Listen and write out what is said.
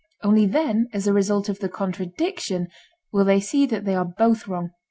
Only then, as a result of the contradiction, will they see that they are both wrong.